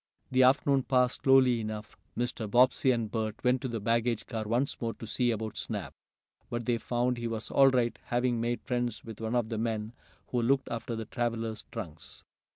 The afternoon passed slowly enough. Mr. Bobbsey and Bert went to the baggage car once more, to see about Snap, but they found he was all right, having made friends with one of the men who looked after the travelers' trunks.